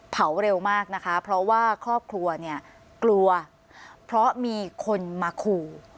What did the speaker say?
เผาเร็วมากนะคะเพราะว่าครอบครัวเนี่ยกลัวเพราะมีคนมาขู่